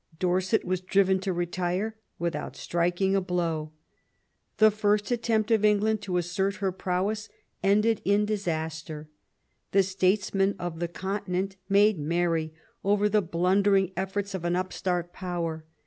Dorset was driven to retire without striking a blow. The first attempt of England to assert her prowess ended in disaster. The statesmen of the Continent made merry over the blundering efforts of an upstart power.